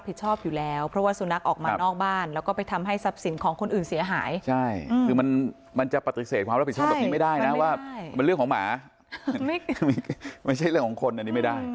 เพราะว่าเป็นเรื่องของหมาไม่ใช่เรื่องของคนอันนี้ไม่ได้